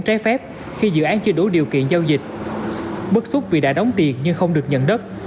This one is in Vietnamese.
trái phép khi dự án chưa đủ điều kiện giao dịch bất xúc vì đã đóng tiền nhưng không được nhận đất